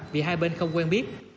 vì hai bên không quen biết